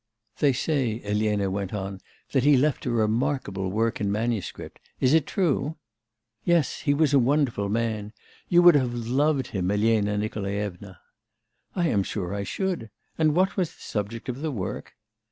'They say,' Elena went on, 'that he left a remarkable work in manuscript; is it true?' 'Yes. He was a wonderful man. You would have loved him, Elena Nikolaevna.' 'I am sure I should. And what was the subject of the work?